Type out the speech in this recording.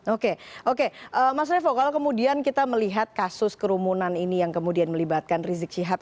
oke oke mas revo kalau kemudian kita melihat kasus kerumunan ini yang kemudian melibatkan rizik syihab